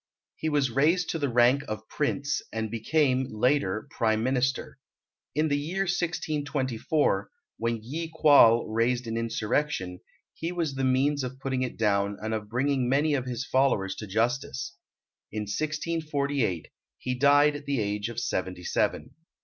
He was raised to the rank of Prince and became, later, Prime Minister. In the year 1624, when Yi Kwal raised an insurrection, he was the means of putting it down and of bringing many of his followers to justice. In 1648, he died at the age of seventy seven.